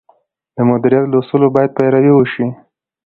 د مدیریت له اصولو باید پیروي وشي.